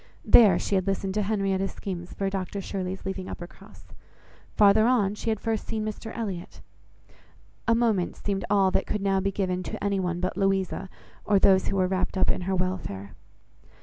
There she had listened to Henrietta's schemes for Dr Shirley's leaving Uppercross; farther on, she had first seen Mr Elliot; a moment seemed all that could now be given to any one but Louisa, or those who were wrapt up in her welfare.